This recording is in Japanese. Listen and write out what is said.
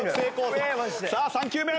さあ３球目。